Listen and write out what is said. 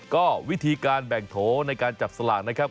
ก็วิธีการแบ่งโถในการจับสลากนะครับ